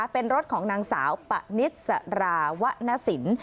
เป็นรถของนางสาวปะนิสราวะนสิน